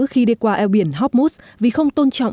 khi đi qua eo biển hockmoos vì không tôn trọng